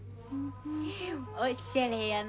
おっしゃれやな。